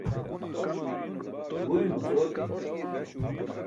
guurimuc ooti